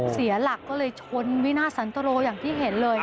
เสียหลักก็เลยชนวินาทสันตรโรอย่างที่เห็นเลย